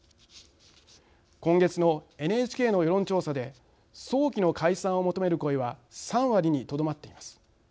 今月のＮＨＫの世論調査で早期の解散を求める声は３割にとどまっています。